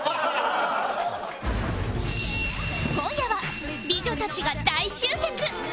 今夜は美女たちが大集結